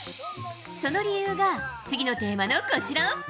その理由が次のテーマのこちら。